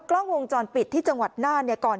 กลุ่มตัวเชียงใหม่